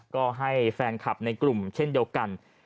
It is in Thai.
ก็ให้แฟนคลับในกลุ่มเช่นเดียวกัน